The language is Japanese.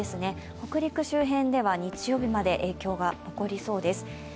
北陸周辺では日曜日まで影響が残りそうです。